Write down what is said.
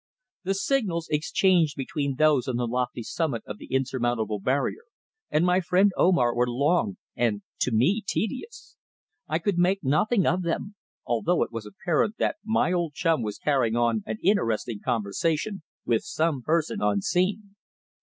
The signals exchanged between those on the lofty summit of the insurmountable barrier, and my friend Omar were long, and, to me tedious. I could make nothing of them, although it was apparent that my old chum was carrying on an interesting conversation with some person unseen.